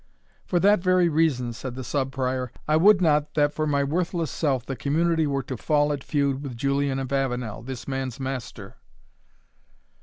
"For that very reason," said the Sub Prior, "I would not that for my worthless self the community were to fall at feud with Julian of Avenel, this man's master."